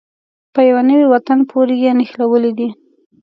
په يوه نوي وطن پورې یې نښلولې دي.